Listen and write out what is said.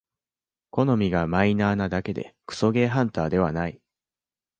好みがマイナーなだけでクソゲーハンターではない